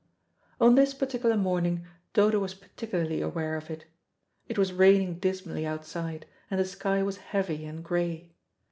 On this particular morning Dodo was particularly aware of it. It was raining dismally outside, and the sky was heavy and grey.